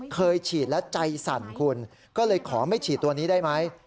เคยฉีดแล้วใจสั่นคุณก็เลยขอไม่ฉีดตัวนี้ได้ไหม